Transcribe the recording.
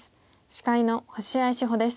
司会の星合志保です。